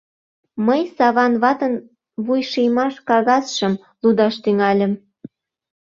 Мый Саван ватын вуйшиймаш кагазшым лудаш тӱҥальым.